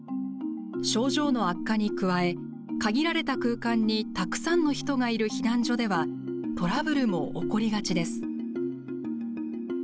症状の悪化に加え限られた空間にたくさんの人がいる避難所ではトラブルも起こりがちです。